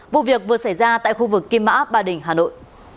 vụ việc vừa xảy ra tại khu vực kim mã ba đình hà nội